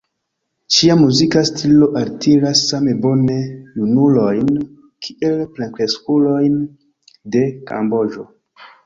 Ŝia muzika stilo altiras same bone junulojn kiel plenkreskulojn de Kamboĝo.